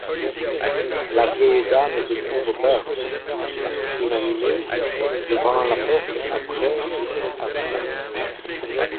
La vieille dame découvre Bugs inanimé devant la porte après qu'il a sonné.